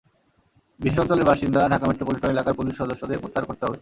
বিশেষ অঞ্চলের বাসিন্দা ঢাকা মেট্রোপলিটন এলাকার পুলিশ সদস্যদের প্রত্যাহার করতে হবে।